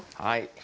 はい。